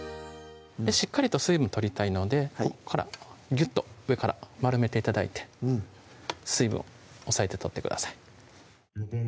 しっかりと水分取りたいのでここからぎゅっと上から丸めて頂いて水分を押さえて取ってください